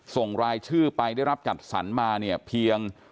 ส่งรายชื่อไปได้รับจัดสรรมาเนี่ยเพียง